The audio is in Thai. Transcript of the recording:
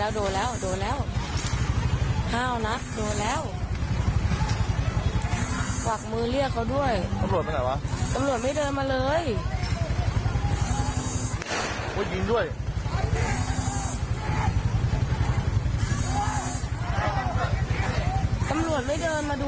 โอ้โหคนพวกนี้ไม่กลัวตายกันเลยนะ